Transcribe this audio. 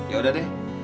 ya udah deh